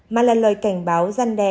mà là lời cảnh báo gian đe để